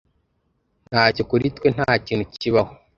Ntacyo kuri twe ntakintu kibaho